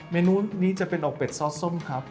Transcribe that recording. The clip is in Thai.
เมนูนี้จะเป็นอกเป็ดซอสส้มครับ